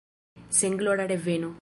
Senglora reveno!